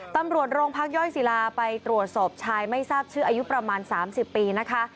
ตำรวจโรงพักย่อยศิลาไปตรวจสอบชายไม่ทราบชื่ออายุประมาณ๓๐ปีนะคะ